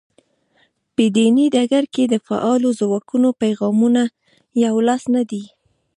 په دیني ډګر کې د فعالو ځواکونو پیغامونه یو لاس نه دي.